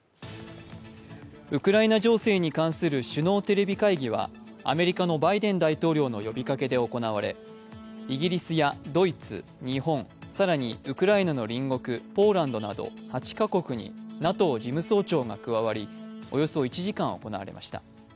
ウクライナ情勢に関する首脳テレビ会議はアメリカのバイデン大統領の呼びかけで行われ、イギリスやドイツ、日本、更にウクライナの隣国、ポーランドなど８か国にＮＡＴＯ事務総長が加わりおよそ１時間行われました。